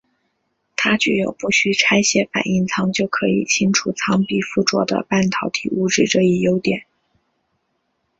它具有不需拆卸反应舱就可以清除舱壁附着的半导体物质这一优点。